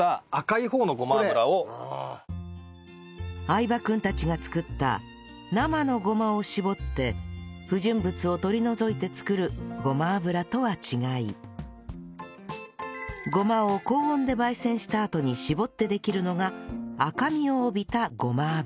相葉くんたちが作った生のごまを搾って不純物を取り除いて作るごま油とは違いごまを高温で焙煎したあとに搾ってできるのが赤みを帯びたごま油